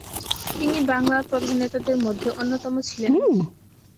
তিনি বাংলার প্রধান নেতাদের মধ্যে অন্যতম ছিলেন।